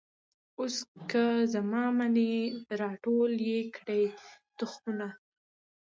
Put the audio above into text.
اوس که زما منۍ را ټول یې کړی تخمونه